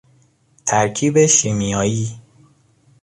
ترکیب شیمیایی